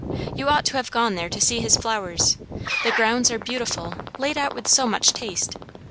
You ought to have gone there to see his flowers; the grounds are beautiful, laid out with so much taste.